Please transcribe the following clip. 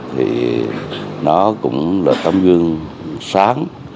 thì nó cũng là tấm gương sáng